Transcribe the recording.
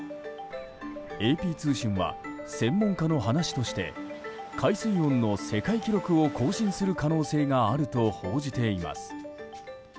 ＡＰ通信は、専門家の話として海水温の世界記録を更新する可能性があると報じています。